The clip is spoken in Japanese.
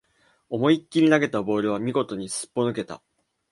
思いっきり投げたボールは見事にすっぽ抜けた